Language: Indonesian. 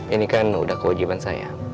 ini kan udah kewajiban saya